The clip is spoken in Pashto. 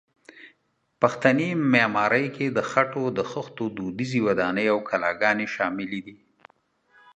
پښتني معمارۍ کې د خټو د خښتو دودیزې ودانۍ او کلاګانې شاملې دي.